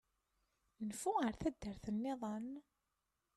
Nfu ar taddart-nniḍen.